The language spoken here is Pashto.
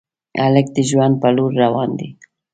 هلک د ژوند په لور روان دی.